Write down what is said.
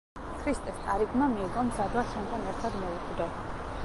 ქრისტეს ტარიგმა მიუგო: „მზად ვარ შენთან ერთად მოვკვდე“.